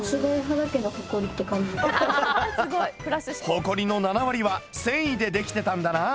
ホコリの７割は繊維でできてたんだな。